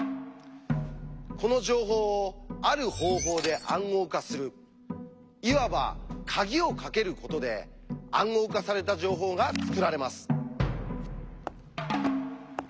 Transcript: この情報をある方法で暗号化するいわば鍵をかけることで「暗号化された情報」が作られます。